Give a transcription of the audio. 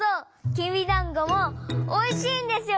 きびだんごもおいしいんですよ